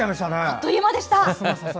あっという間でした！